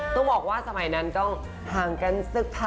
ต้องบอกว่าสมัยนั้นต้องห่างกันสักพัก